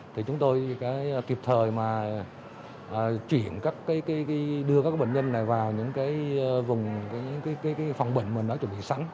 thì chúng tôi kịp thời mà chuyển các cái đưa các bệnh nhân này vào những cái vùng những cái phòng bệnh mà nó chuẩn bị sẵn